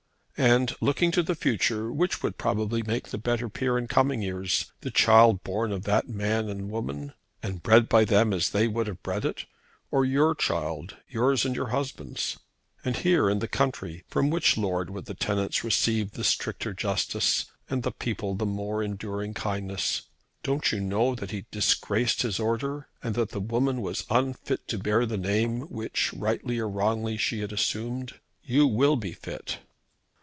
"And, looking to the future, which would probably make the better peer in coming years; the child born of that man and woman, and bred by them as they would have bred it, or your child, yours and your husband's? And here, in the country, from which lord would the tenants receive the stricter justice, and the people the more enduring kindness? Don't you know that he disgraced his order, and that the woman was unfit to bear the name which rightly or wrongly she had assumed? You will be fit."